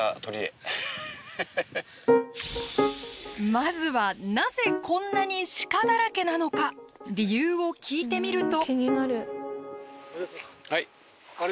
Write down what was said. まずはなぜこんなに鹿だらけなのか理由を聞いてみると。